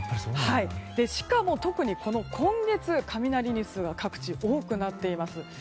しかも特に、今月雷日数が各地多くなっています。